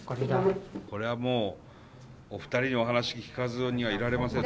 これはもうお二人の話聞かずにはいられません。